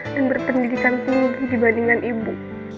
dan berpendidikan lebih dibandingkan ibu